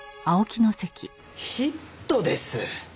ヒットです！